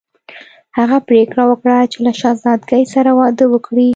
هغه پریکړه وکړه چې له شهزادګۍ سره واده وکړي.